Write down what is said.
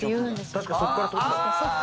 「確かそこから取った」。